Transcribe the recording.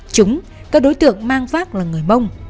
chúng các đối tượng mang phát là người mông